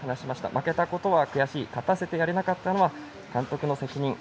負けたことは悔しい勝たせてやれなかったのは監督の責任。